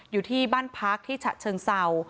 อยู่ที่บ้านพักที่ฉะเชิงเศร้า